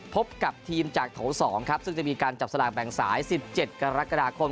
พบกับทีมจากโถ๒ครับซึ่งจะมีการจับสลากแบ่งสาย๑๗กรกฎาคม